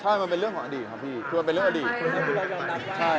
ใช่มันเป็นเรื่องของอดีตครับพี่คือมันเป็นเรื่องอดีตใช่